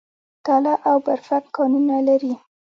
تاله او برفک کانونه لري؟